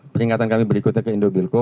peringatan kami berikutnya ke indobilco